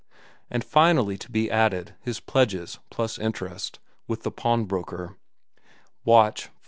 And finally to be added, his pledges, plus interest, with the pawnbroker—watch, $5.